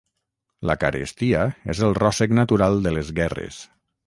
La carestia és el ròssec natural de les guerres.